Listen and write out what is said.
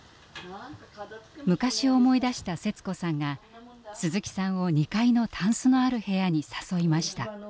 昔を思い出したセツ子さんが鈴木さんを２階のたんすのある部屋に誘いました。